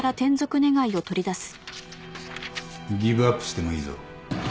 ギブアップしてもいいぞ。